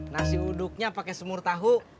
nasi uduknya pakai semur tahu